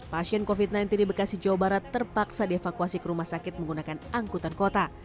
pasien covid sembilan belas di bekasi jawa barat terpaksa dievakuasi ke rumah sakit menggunakan angkutan kota